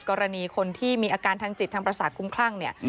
กรณีคนที่มีอาการทางจิตทางประสาทคุ้มคลั่งเนี่ย